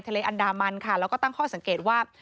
อันดามันค่ะแล้วก็ตั้งข้อสังเกตว่า